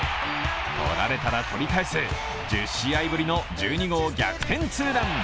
取られたら取り返す、１０試合ぶりの１２号逆転ツーラン。